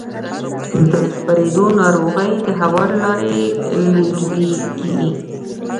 د خپرېدو ناروغۍ د هوا له لارې لېږدېږي.